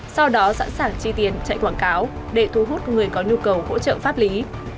sau đó sẵn sàng chi tiền chạy quảng cáo để thu hút người có nhu cầu hỗ trợ pháp lý